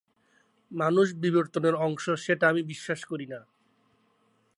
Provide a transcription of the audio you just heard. আজকের যুগে মানুষ সেই প্রচেষ্টারই বহুমুখী পর্যায়ে উন্নীত হয়েছে মাত্র।